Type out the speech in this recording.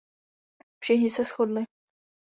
Všichni se shodli.